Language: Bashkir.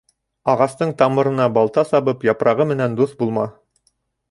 Ағастың тамырына балта сабып, япрағы менән дуҫ булма.